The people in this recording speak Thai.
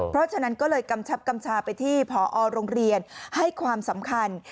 เพราะฉะนั้นก็เลยกำชับกำชาไปที่ผอโรงเรียนให้ความสำคัญ